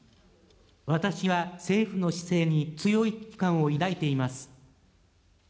私は政府の姿勢に強い危機感を抱いています。